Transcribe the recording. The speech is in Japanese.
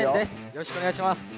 よろしくお願いします。